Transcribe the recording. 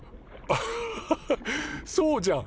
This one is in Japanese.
アハハハハそうじゃん